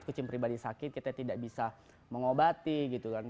kucing pribadi sakit kita tidak bisa mengobati gitu kan